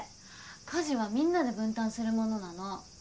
家事はみんなで分担するものなの。